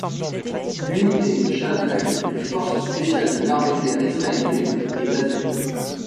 L'unité Shaldag des forces spéciales de l'armée de l'air israélienne y est basée.